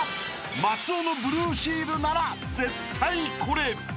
［松尾のブルーシールなら絶対これ］